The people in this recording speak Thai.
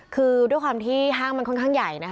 คือด้วยความที่ห้างมันค่อนข้างใหญ่นะคะ